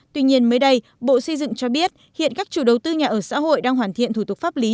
tuy nhiên mới đây bộ xây dựng cho biết hiện các chủ đầu tư nhà ở xã hội đang hoàn thiện thủ tục pháp lý